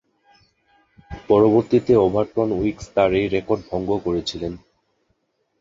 পরবর্তীতে Everton Weekes তার এ রেকর্ড ভঙ্গ করেছিলেন।